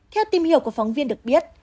theo tìm hiểu của phóng viên được biết